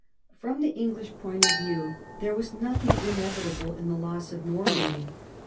From the English point of view there was nothing inevitable in the loss of Normandy.